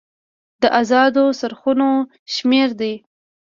د ازادو څرخونو شمیر دی.